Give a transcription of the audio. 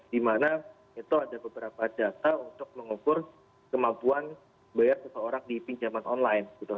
dimana itu ada beberapa data untuk mengukur kemampuan bayar seseorang di pinjaman online gitu